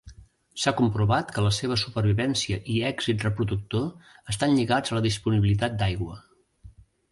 S'ha comprovat que la seva supervivència i èxit reproductor estan lligats a la disponibilitat d'aigua.